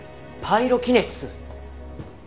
パイロキネシス？